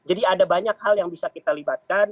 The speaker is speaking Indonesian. jadi ada banyak hal yang bisa kita libatkan